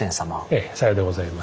ええさようでございます。